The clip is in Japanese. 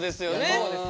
そうですね。